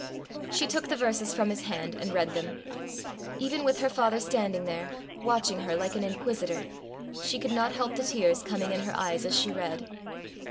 She took the verses from his hand and read them. Even with her father standing there, watching her like an inquisitor, she could not help the tears coming in her eyes as she read.